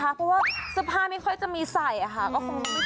เพราะว่าเสื้อผ้าไม่ค่อยจะมีใส่ค่ะก็คง